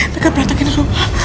mereka berantakan rumah